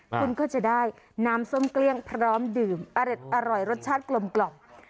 คุณก็จะได้น้ำส้มเกลี้ยงพร้อมดื่มอร่อยรสชาติกลม